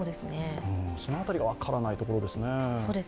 その辺りが分からないところですね。